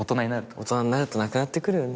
大人になるとなくなってくるよね。